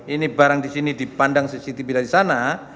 ini barang disini dipandang secitipilas disana